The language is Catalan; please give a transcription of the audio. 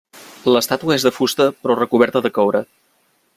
L'estàtua és de fusta però recoberta de coure.